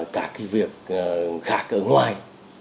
cả cái việc khác ở ngoài